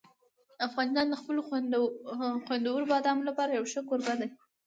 افغانستان د خپلو خوندورو بادامو لپاره یو ښه کوربه دی.